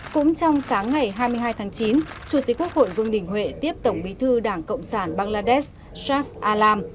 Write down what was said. cũng trong sáng ngày hai mươi hai tháng chín chủ tịch quốc hội vương đình huệ tiếp tổng bí thư đảng cộng sản bangladesh shast alam